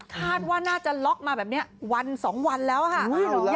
คาดว่าน่าจะล็อกมาแบบนี้วันสองวันแล้วค่ะ